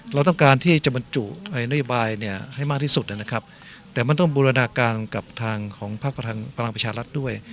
เราต้องการที่จะบรรจุนโยบายเนี่ยให้มากที่สุดนะครับแต่มันต้องบูรณาการกับทางของพักพลังประชารัฐด้วย